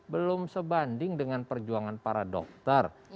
belum sebanding dengan perjuangan para dokter